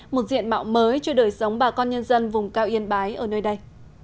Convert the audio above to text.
một diện mạo mới cho đời sống bà con nhân dân vùng cao yên bái ở nơi đây